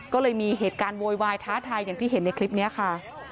ก็เลยมีเหตุการณ์โวยวายท้าทายอย่างที่เห็นในคลิปนี้ค่ะ